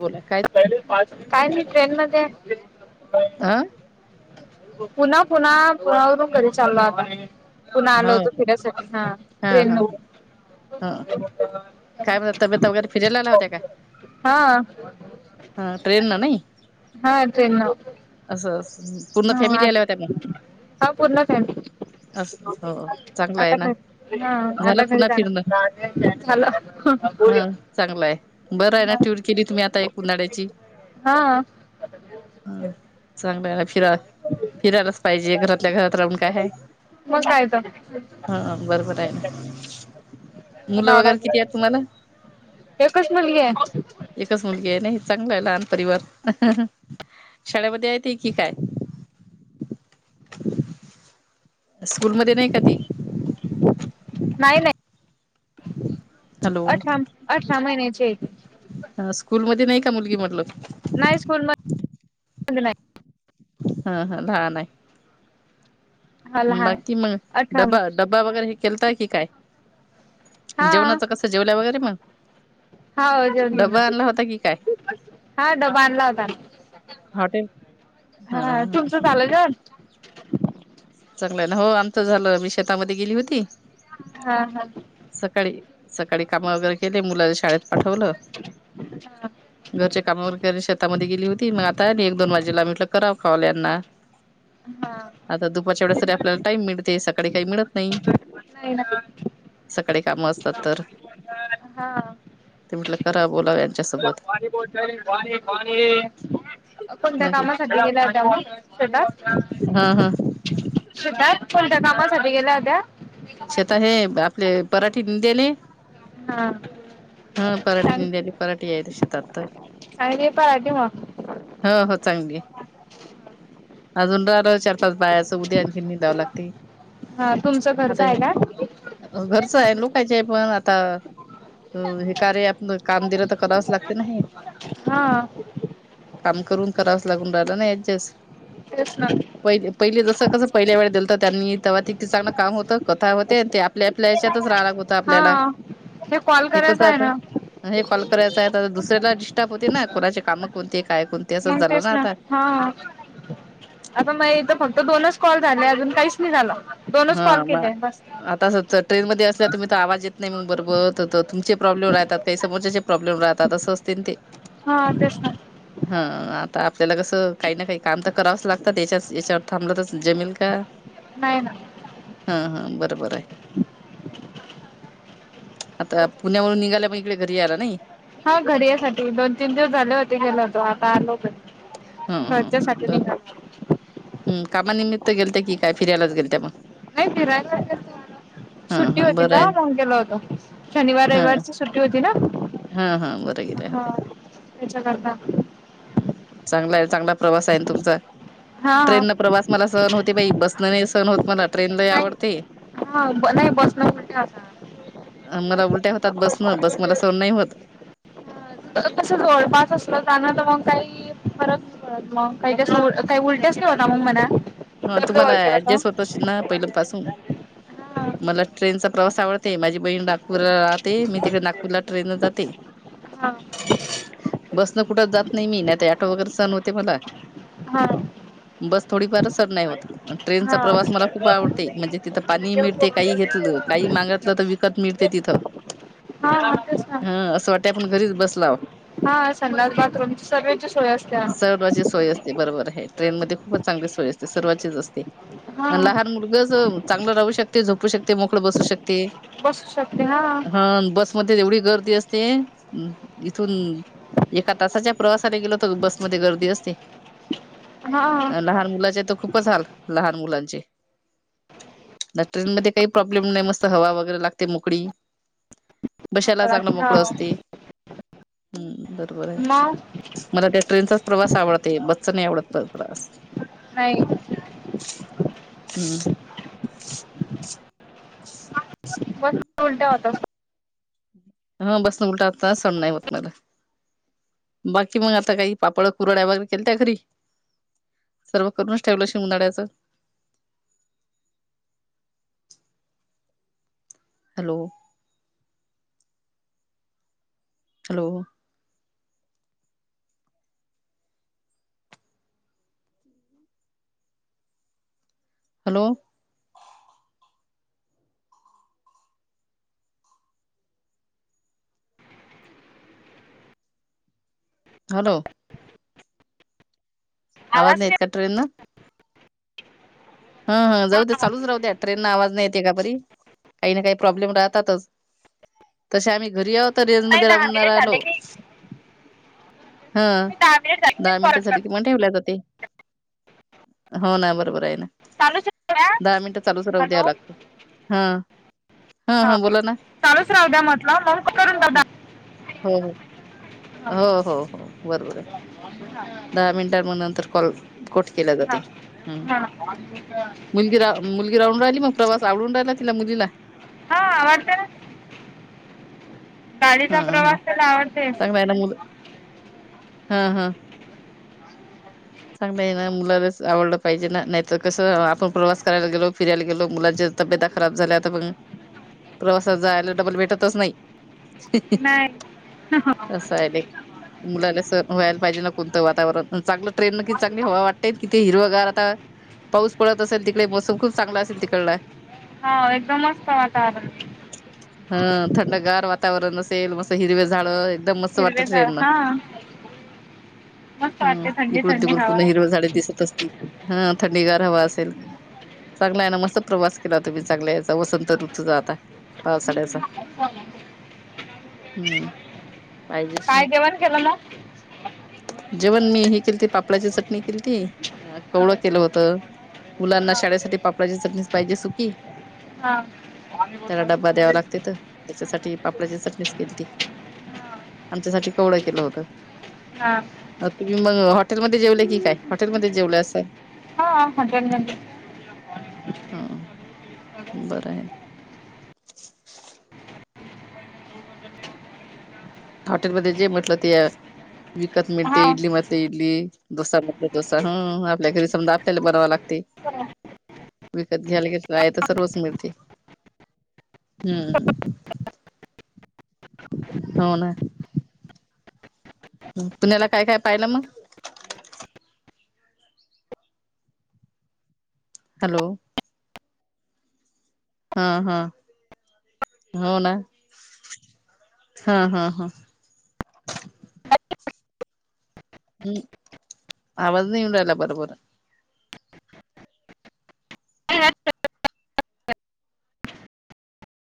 बोला काय काय नाही ट्रेन मध्ये आ? पुन्हा पुन्हा आवरून घरी चाललो आता. पुन्हा आल हो होत हो फिरा्यासाठी हा हा हा ट्रेन न. ह काय मग तब्येत वगैरे, फिरायला आल्या होत्या का हा हा ट्रेन न नाही? हा ट्रेन न. आस! हा हा पूर्ण फॅमिली. असं हो चांगलं आहे आता ना हा झालं आता घरी पुन्हा फिरणं जाणार. झाला! हा चांगला आहे बरं आहे ना टूर केली तुम्ही आता एक उन्हाळ्याची. हा ह चांगलंला फिरा. फिरायलाच पाहिजे घरातल्या घरात राहून काय हाय! मग काय तर हा बरोबर आहे ना, मुलं वगैरे किती आहेत तुम्हाला? एकाच मुलगी आहे. एकच मुलगी आहे नाही चांगला आहे लहान परिवार, शाळेमध्ये येत की काय? स्कूलमध्ये नाही का ती? नाही नाही. [inaudible] हॅलो अठरा अठरा महिन्याची आहे ती. ह स्कूल मध्ये नाही का मुलगी म्हटलं? नाही स्कूल म हा हा लान आहे. हा लहान बाकी मग अठरा डबा ड्बा वगैरे हे केलताय कि काय? हा जेवणाचं कसं जेवल्या वगैरे मग? हो डबा जेवली आणला होता की काय हा डबा आणला होता ना. हॉटेल हा तुमचं झालं ना? चांगला आहे ना, हो आमचं झालं मी शेतामध्ये गेली होती. हा हा. सकाळी सकाळी काम वगैरे केले मुलाला शाळेत पाठवलं. हा घरच्या कामा वगैरे शेतामध्ये गेली होती मग आता एक दोन वाजेला म्हटलं कराव कॉल ह्यांना. हा आता दुपारच्या वेळेस तरी आपल्याला टाइम मिळते सकाळी काही मिळत नाही. नाही ना, सकाळी कामं असतात तर हा. ते म्हटलं करा बोलाव बोला यांच्यासोबत पाणी बॉटल पाणी पाणी. कोणत्या बाकी कामासाठी गेल्या होत्या तुम्ही शेतात? हा हा! शेतात कोणत्या कामासाठी गेल्या होत्या? शेतात हे आपले पराठींद्याने. हा! हा पराठी निंद्याली पराठी आहे त शेतात तर काय रे पर राठे मग हो हो चांगली आहे. अजून तर चार पाच बायाचं उद्या आणखी निदावं लागतय. हा तुमच घरच आहे का घरचं आहे लोकयची आहे पण आता हे कार्य आप काम दिलं तर करावंच लागते ना हे हा काम करून करावास लागून राहिला ना ऍडजस्ट तेच ना पहि पहिले जसं कसं पहिल्या वेळे दिलंत त्यांनी तवा ते ते चांग काम होत कथा होते आणि ते आपल्या आपल्या हेच्यातच रायलागत होत हा आपल्याला कॉल हे कस करायचा आहे आता ना हे कॉल करायचं आहे आता दुसऱ्याला होते ना कोणाचे कामं कोणते काय कोण मंग तेच ना हा आता मग ईथ फक्त दोनच कॉल झाले अजून काहीच नाय झालं दोनच कॉल केले बस तर ट्रेनमध्ये असल्या तुम्ही तर आवाज येत नाय मग बरोबर तर तुमचे प्रॉब्लेम राहतात काही समोरच्याचे प्रॉब्लेम राहतात असं असत तेन ते हा तेच ना हा आता आपल्याला कसं काही ना काही काम तर करावच लागतात याच्या याच्यावर थांबल तर जमील का? नाही ना हा हा बरोबर आहे. आता पुण्यावरून निघाल्या पण इकडे घरी यायला नई हा घरी यासाठी दोन तीन दिवस झाले होते गेलो होतो आता आलो ह घरी घरच्यासाठी निदायला आलोय. हम्म कामानिमित्त गेलत्या की काय फिरायलाचं गेलत्या मग नाय फिरायला गेलतो आलो हा सुट्टी हा होती बरं आहे तवा मंग गेलो होतो. शनिवार हा रविवारची सुट्टी होती ना. हा हा बरं हा त्याच्याकरता ह चांगला आहे चांगला प्रवास आहे नं तुमचा हा हा ट्रेन न प्रवास मला सहण होते बाई बसनं नाही सहण होत मला ट्रेन लय नाही आवडते. हा नाही बस नं उलट्या होता मला उलट्या होतात बस न बस मला सहनं नाही होत. कस जवळपास असलं त्याना तर मग काही फरक परत मग काय जास्त काय उलट्याच नाहोता मग मणा हा तुम्हाला ऍडजस्ट होत असशील ना पहिल पासून मला ट्रेनचा प्रवास आवडते माझी बहीण नागपूरला राहते मी तिकडे नागपूरला ट्रेन नं जाते. हा बसनं कुठच जात नाही मी आता आटो वगैरे सहनं होते मला हा बस थोडीफारचं सहन नाही होत हा ट्रेनचा हा प्रवास मला खूप आवडते म्हणजे तिथं पाणी मिळते काही घेतलं काही मागतलं तर विकत मिळते तिथं हा तेच ना हा असं वाटतय आपण घरीच बसलाव. हा संडास बाथरूम ची सगळ्यांची सोय असत्या. सर्वाची सोय असं बरोबर आहे ट्रेन मध्ये खूपच चांगली सोय असते सर्वचीच असते नं लहान मुलगचं चांगलं राहू शकते झोपू शकते मोकळं बसू शकते बसू शकते हा बस मध्ये एवढी गर्दी असते इथून एका तासाच्या प्रवासाने गेल होत बसमध्ये गर्दी असते. हा अ लहान मुलाचे तर खूपच हाल लहान मुलांचे नं ट्रेन मध्ये काही प्रॉब्लेम नाही मस्त हवा वगैरे लागते मोकडी बशाला चांगलं हा मोकळं असती हम्म बरोबर आहे मग मला त्या ट्रेनचाच प्रवास आवडत बसचा नाही आवडत प्रवास नाही हम्म बस उलट्या होता ना ह बसंन उलट्या होता सहन नाही होत मला बाकी मग आता काही पापड कुरड्या वगैरे केल त्या घरी सर्व करूनच ठेवलं शि उनड्याचं हॅलो हॅलो हॅलो हॅलो आवाज नाय येत का ट्रेननं हम हम जाऊ दे चालूच राहूदया ट्रेननं आवाज नाही येते का बरी काही ना काही प्रॉब्लेम राहतातच तसे आम्ही घरी आहोत रेंज नाही मध्ये दहा राहून नही मिनिट राहायलो झाले की हा मी दहा मिनिट झाले की दहा मीच कॉल मिनिटं झाली करतो कि म्ह ठेवलात [unintelligible] हो ना बरोबर आहे ना चालूच ठेवू का? दहा मिनट चालूच राह द्याव हॅलो लागत हा हा हा बोला ना चालूच राहू द्या म्हटलं मग करून बघा हो हो हो हां हो हो बरोबर आहे दहा मिनिटां नंतर कॉल कट केला जाते हम् हा का मुलगी रा मुलगी राहून राहिली मग प्रवास आवडून राहिला तिला मुलीला हा आवडते गाडीचा प्रवास त्याला आवडते वण [unintelligible] हा हा चांगलयना मुलालाच आवडलं पाहिजे ना नाहीतर कसं आपण प्रवास करायला गेलो फिरायला गेलो मुलाचे तब्यता खराब झाल्या आता पण प्रवासात जायला डबल भेटतच नाही नाही अससं आहे [unintelligible] मुलाला समजायला पाहिजे ना कोणतं वातावरण चांगलं ट्रेन न कि चांगली हवा वाट तिथे हिरवागार आता पाऊस पडत असेल तिकडे मोसम खूप चांगला असेल तिकडला हा एकदम मस्त वातावरण हा थंडगार वातावरण असेल मस्त हिरव्या झाड दम मस्त वाटत हिरवेगार राहिल ना हां मस्त हम वाटते थंडी इकडून थंडी तिकडून पुन्हा हवा हिरवे झाडे दिसत असतील हा थंडीगार हवा असेल चांगला आहे ना मस्त प्रवास केला तुम्ही चांगल्या याचा वसंत ऋतूचा आता पावसाळ्याचा अ [unintelligible] हम्म पाहिजेच काय ना जेवण केलं मग जेवण मी हे केलं ते पापडाची चटणी केलती. कवळं केलं हां होत मुलांना शाळेसाठी पापडाची चटणीच पाहिजे सुखी हां त्याला डब्बा द्यावा लागते तर त्याच्यासाठी् डाची चटणीच केलती आमच्यासाठी कवळ केलं होत हा तुम्ही मग हॉटेलमध्ये जेवले की काय हॉटेलमध्ये जेवले असाल हा हॉटेल मधेच हम्म बरंय ना [inaudible] हॉटेलमध्ये जे म्हटलं ते विकत मिळते हां इडली म्हटलं इडली डोसा म्हटलं डोसा हं आपल्या घरी समधं आपल्याला बनवाव लागतय. ह विकत घ्यायला ग आहे तस रोच मिळते हम्म. हो ना. पुण्याला काय काय पाहिलं मग. हॅलो. हा हा हो ना हा हा हा. हम्म आज नडला बरो बरं हो.